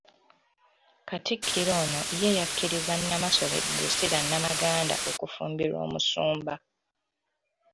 Katikkiro ono ye yakkiriza Nnamasole Drusilla Namaganda okufumbirwa omusumba.